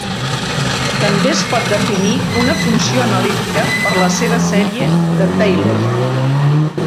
També es pot definir una funció analítica per la seva sèrie de Taylor.